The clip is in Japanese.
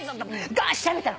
ガーッ調べたの。